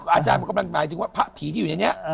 อาจารย์มันกำลังหมายถึงว่าพระผีที่อยู่ในนี้